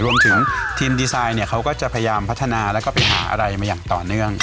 รวมถึงทีมดีไซน์เนี่ยเขาก็จะพยายามพัฒนาแล้วก็ไปหาอะไรมาอย่างต่อเนื่อง